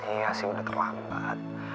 iya sih udah terlambat